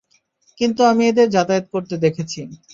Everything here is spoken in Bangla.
কিন্তু আমি এদের যাতায়াত করতে দেখেছি।